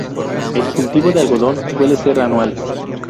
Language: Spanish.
El cultivo del algodón suele ser anual.